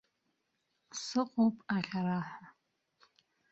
Сыҟоуп аӷьараҳәа!